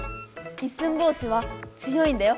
いっすんぼうしは強いんだよ。